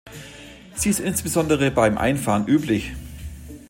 Sie ist insbesondere beim Einfahren üblich.